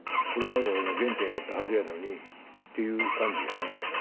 これが俺の原点やったはずやのにっていう感じだね。